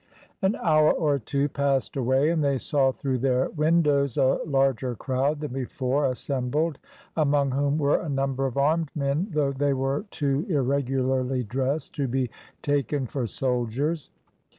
An hour or two passed away, and they saw through their windows a larger crowd than before assembled, among whom were a number of armed men, though they were too irregularly dressed to be taken for soldiers.